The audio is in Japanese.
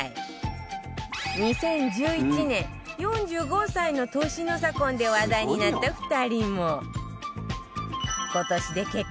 ２０１１年４５歳の年の差婚で話題になった２人も